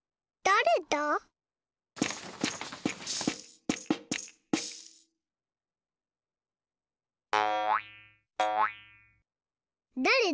だれだれ？